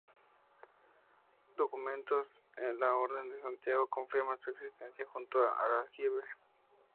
Documentos de la Orden de Santiago confirman su existencia junto al aljibe.